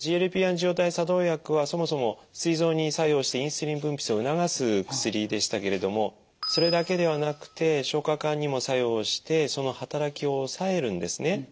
ＧＬＰ−１受容体作動薬はそもそもすい臓に作用してインスリン分泌を促す薬でしたけれどもそれだけではなくて消化管にも作用してその働きを抑えるんですね。